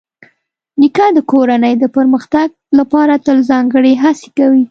نیکه د کورنۍ د پرمختګ لپاره تل ځانګړې هڅې کوي.